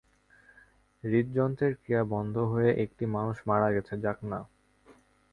হৃদযন্ত্রের ক্রিয়া বন্ধ হয়ে একটি মানুষ মারা গেছে, যাক না!